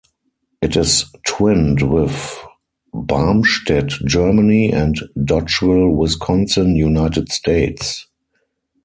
It is twinned with Barmstedt, Germany, and Dodgeville, Wisconsin, United States.